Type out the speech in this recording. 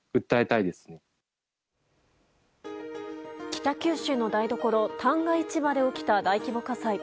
北九州の台所旦過市場で起きた大規模火災。